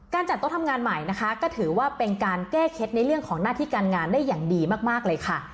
จัดโต๊ะทำงานใหม่นะคะก็ถือว่าเป็นการแก้เคล็ดในเรื่องของหน้าที่การงานได้อย่างดีมากเลยค่ะ